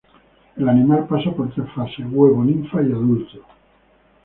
El animal pasa por tres fases: huevo, ninfa y adulto.